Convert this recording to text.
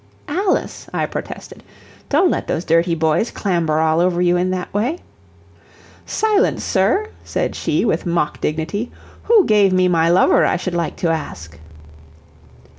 "Alice," I protested, "don't let those dirty boys clamber all over you in that way." "Silence, sir," said she, with mock dignity; "who gave me my lover, I should like to ask?"